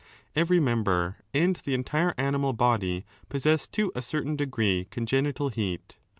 Every member and the entire animal body possess to a certain degree congenital heat.